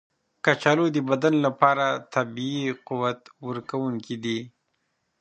کچالو د بدن لپاره طبیعي قوت ورکونکی دی.